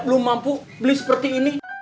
belum mampu beli seperti ini